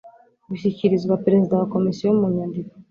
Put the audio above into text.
bushyikirizwa perezida wa komisiyo mu nyandiko